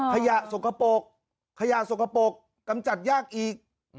สกปรกขยะสกปรกกำจัดยากอีก